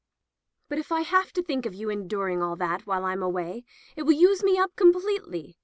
"But if I have to think of your enduring all that while Fm away, it will use me up completely.